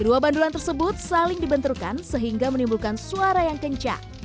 kedua bandulan tersebut saling dibenturkan sehingga menimbulkan suara yang kencang